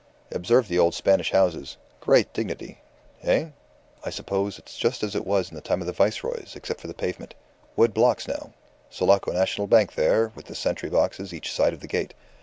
Observe the old Spanish houses. Great dignity. Eh? I suppose it's just as it was in the time of the Viceroys, except for the pavement. Wood blocks now. Sulaco National Bank there, with the sentry boxes each side of the gate.